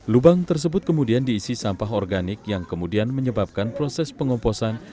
lubang tersebut kemudian diisi sampah organik yang kemudian menyebabkan proses pengomposan